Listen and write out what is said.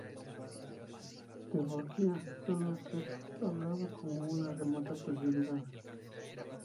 De Borgia sólo se hablaba como una remota posibilidad.